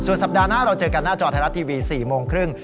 สัปดาห์หน้าเราเจอกันหน้าจอไทยรัฐทีวี๔โมงครึ่ง